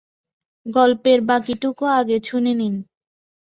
গল্পের বাকিটুকু আগে শুনে নিন।